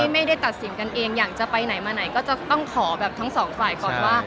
ไม่ได้ตัดสินกันเองอยากจะไปไหนมาไหนก็จะต้องขอแบบทั้งสองฝ่ายก่อนว่า